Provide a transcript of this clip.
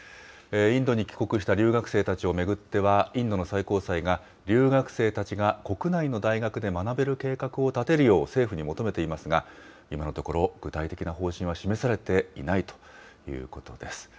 インドに帰国した留学生たちを巡っては、インドの最高裁が、留学生たちが国内の大学で学べる計画を立てるよう政府に求めていますが、今のところ、具体的な方針は示されていないということです。